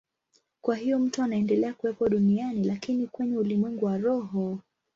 Kwa hiyo mtu anaendelea kuwepo duniani, lakini kwenye ulimwengu wa roho.